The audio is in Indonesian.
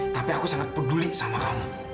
tapi aku sangat peduli sama kamu